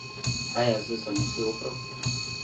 ایا زه سموسې وخورم؟